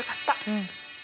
うん。